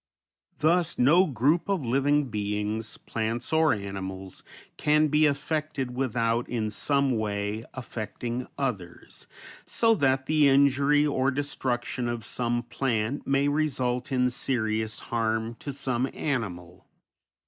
Thus no group of living beings, plants or animals, can be affected without in some way affecting others, so that the injury or destruction of some plant may result in serious harm to some animal.